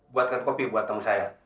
buatkan kopi buat teman saya